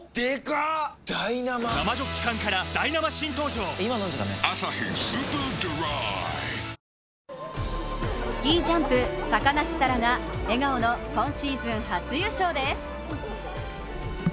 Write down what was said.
そして日付変わって今日スキージャンプ、高梨沙羅が笑顔の今シーズン初優勝です。